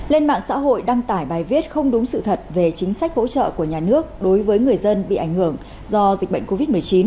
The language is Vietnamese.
lên mạng xã hội đăng tải bài viết không đúng sự thật về chính sách hỗ trợ của nhà nước đối với người dân bị ảnh hưởng do dịch bệnh covid một mươi chín